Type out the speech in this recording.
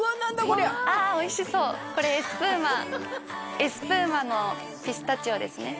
こりゃああおいしそうこれエスプーマエスプーマのピスタチオですね